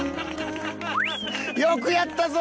よくやったぞ！